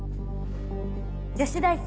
女子大生